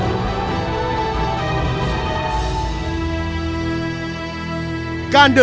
ทำกลางอุณหภูมิที่ร้อนระอุก